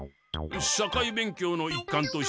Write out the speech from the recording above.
社会勉強の一環として？